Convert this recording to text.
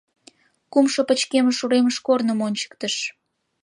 Кумшо пычкемыш уремыш корным ончыктыш.